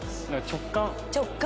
直感。